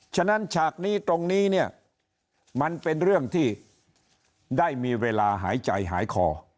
ฉะนั้นฉากนี้ตรงนี้เนี่ยมันเป็นเรื่องที่ได้มีเวลาหายใจหายคอ